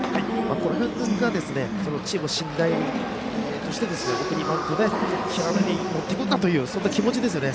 この辺がチームも信頼として、送りバントで平野に持っていくんだというそんな気持ちですね。